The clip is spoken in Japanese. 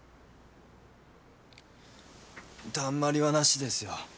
だんまりはナシですよ。